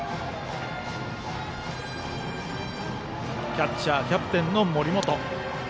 キャッチャー、キャプテンの森本。